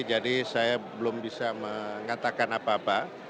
jadi saya belum bisa mengatakan apa apa